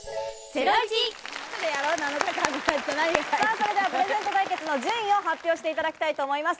それではプレゼント対決の順位を発表していただきたいと思います。